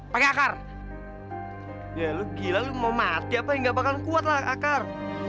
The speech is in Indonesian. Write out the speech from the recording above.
pakai akar ya lu gila lu mau mati apa yang gak bakal kuat lah akar